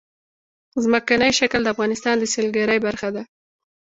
ځمکنی شکل د افغانستان د سیلګرۍ برخه ده.